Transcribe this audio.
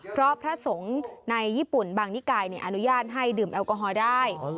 เพราะพระสงฆ์ในญี่ปุ่นบางนิกายอนุญาตให้ดื่มแอลกอฮอล์ได้